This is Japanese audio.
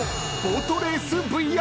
ボートレースＶＲ］